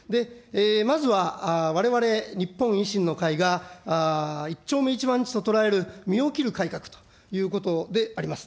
まずは、われわれ日本維新の会が、一丁目一番地と捉える身を切る改革をということであります。